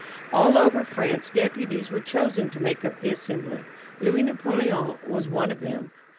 All over France deputies were chosen to make up the Assembly. Louis Napoleon was one of them.